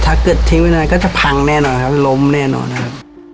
ถ้าเกิดทิ้งไว้นานก็จะพังแน่นอนครับล้มแน่นอนนะครับ